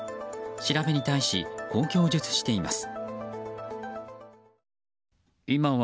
調べに対し、こう供述しています。